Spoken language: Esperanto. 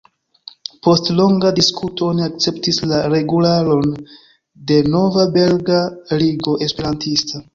Post longa diskuto oni akceptis la regularon de nova Belga Ligo Esperantista.